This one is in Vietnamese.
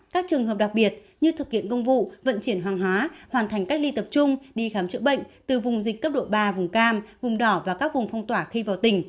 các trường hợp đặc biệt như thực hiện công vụ vận chuyển hàng hóa hoàn thành cách ly tập trung đi khám chữa bệnh từ vùng dịch cấp độ ba vùng cam vùng đỏ và các vùng phong tỏa khi vào tỉnh